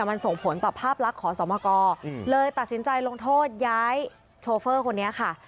มันส่งผลต่อภาพลักษณ์ขอสมกรเลยตัดสินใจลงโทษย้ายโชเฟอร์คนนี้ค่ะ